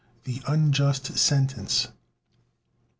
THE UNJUST SENTENCE. Mr.